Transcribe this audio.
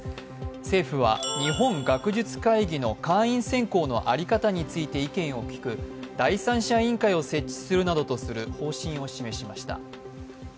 政府は日本学術会議の会員選考の在り方について意見を聞く第三者委員会を設置するなどとする方針を示しました。